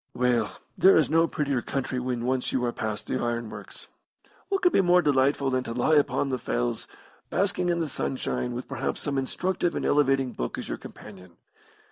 "Well, there is no prettier country when once you are past the iron works. What could be more delightful than to lie upon the Fells, basking in the sunshine, with perhaps some instructive and elevating book as your companion?